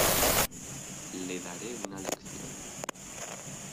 Le daré una lección.